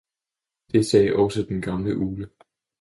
det sagde ogsaa den gamle Ugle.